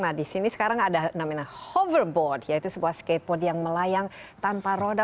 nah di sini sekarang ada namanya hoverboard yaitu sebuah skateboard yang melayang tanpa roda